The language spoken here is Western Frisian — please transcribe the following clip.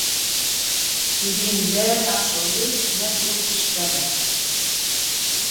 Dy wienen dêr absolút net oer te sprekken.